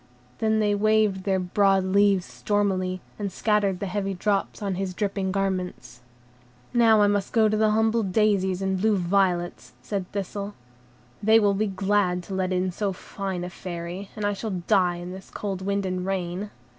Then they waved their broad leaves stormily, and scattered the heavy drops on his dripping garments. "Now must I go to the humble daisies and blue violets," said Thistle, "they will be glad to let in so fine a Fairy, and I shall die in this cold wind and rain."